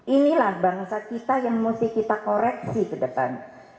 inilah bangsa kita yang mesti kita koreksi ke depan